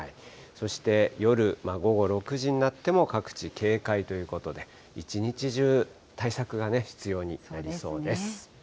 そして夜、午後６時になっても、各地、警戒ということで、一日中、対策が必要になりそうです。